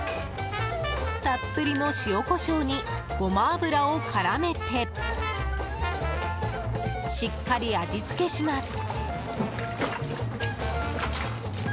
たっぷりの塩、コショウにゴマ油を絡めてしっかり味付けします。